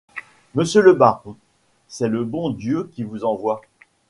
Monsieur le baron, c'est le bon Dieu qui vous envoie !